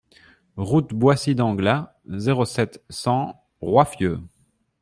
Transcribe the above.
Route Boissy d'Anglas, zéro sept, cent Roiffieux